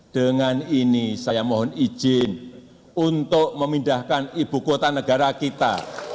dengan ini saya mohon izin untuk memindahkan ibu kota negara kita